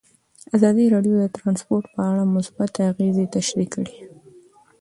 ازادي راډیو د ترانسپورټ په اړه مثبت اغېزې تشریح کړي.